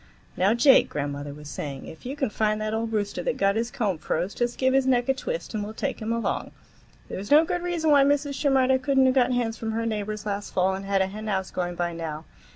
"Now, Jake," grandmother was saying, "if you can find that old rooster that got his comb froze, just give his neck a twist, and we'll take him along. There's no good reason why Mrs. Shimerda could n't have got hens from her neighbors last fall and had a henhouse going by now.